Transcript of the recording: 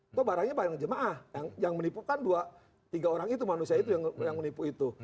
itu barangnya barang jemaah yang menipukan dua tiga orang itu manusia itu yang menipu itu